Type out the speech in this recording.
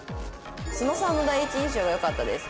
「津野さんの第一印象が良かったです」